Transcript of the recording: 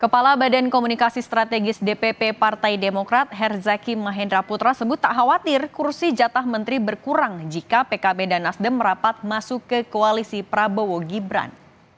kepala badan komunikasi strategis dpp partai demokrat herzaki mahendra putra sebut tak khawatir kursi jatah menteri berkurang jika pkb dan nasdem merapat masuk ke koalisi prabowo gibran